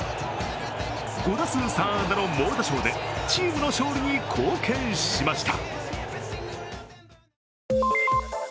５打数３安打の猛打賞でチームの勝利に貢献しました。